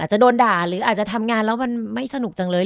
จะโดนด่าหรืออาจจะทำงานแล้วมันไม่สนุกจังเลย